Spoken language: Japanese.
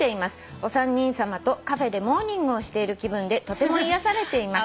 「お三人さまとカフェでモーニングをしている気分でとても癒やされています」